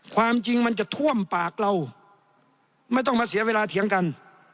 ความจริงมันจะท่วมปากเราไม่ต้องมาเสียเวลาเถียงกัน